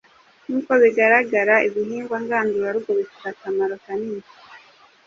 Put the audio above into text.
Nk’uko bigaragara, ibihingwa ngandurarugo bifite akamaro kanini,